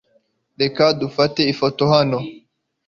Reka dufate ifoto hano .